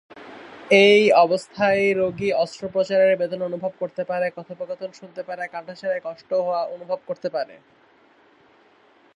এই অবস্থায় রোগী অস্ত্রোপচারের বেদনা অনুভব করতে পারে, কথোপকথন শুনতে পারে, কাটাছেঁড়ায় হওয়া কষ্ট অনুভব করতে পারে।